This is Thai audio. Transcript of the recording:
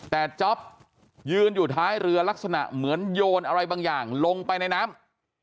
แต่จ๊อปยืนอยู่ท้ายเรือลักษณะเหมือนโยนอะไรบางอย่างลงไปในน้ำ